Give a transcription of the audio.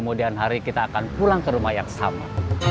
kemudian hari kita akan pulang ke rumah yang sama